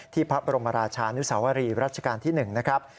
พระบรมราชานุสาวรีรัชกาลที่๑นะครับ